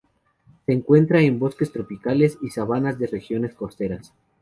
Se encuentra en bosques tropicales y sabanas de regiones costeras.